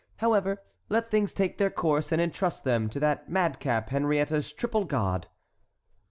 However, let things take their course and entrust them to that madcap Henriette's triple god."